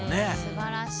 すばらしい。